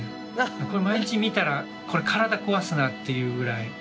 これ毎日見たらこれ体壊すなっていうぐらい。